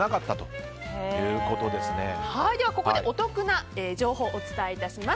ここでお得な情報をお伝えします。